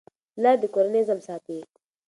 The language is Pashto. پلار د کورنۍ نظم ساتي.